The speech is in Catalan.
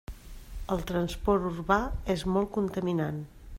El transport urbà és molt contaminant.